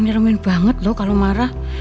nyeremen banget loh kalau marah